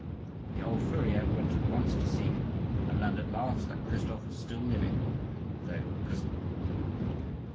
The old furrier went at once to see him, and learned at last that Christophe was still living, though a prisoner.